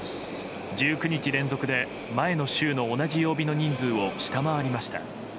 １９日連続で前の週の同じ曜日の人数を下回りました。